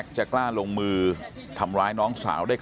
ตรของหอพักที่อยู่ในเหตุการณ์เมื่อวานนี้ตอนค่ำบอกให้ช่วยเรียกตำรวจให้หน่อย